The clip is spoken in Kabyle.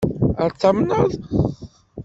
Ad t-tamneḍ?